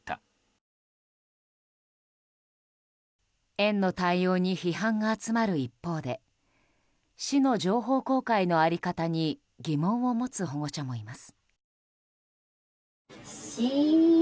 園の対応に批判が集まる一方で市の情報公開の在り方に疑問を持つ保護者もいます。